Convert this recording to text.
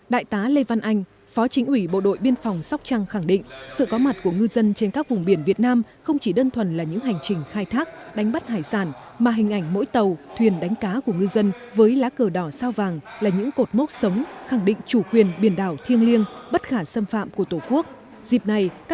đại tá lê văn anh phó chính ủy bộ đội biên phòng sóc trăng khẳng định sự có mặt của ngư dân trên các vùng biển việt nam không chỉ đơn thuần là những hành trình khai thác đánh bắt hải sản mà hình ảnh mỗi tàu thuyền đánh cá của ngư dân với lá cờ đỏ sao vàng là những cột mốc sống khẳng định chủ quyền biển đảo thiêng liêng bất khả xâm phạm của tổ quốc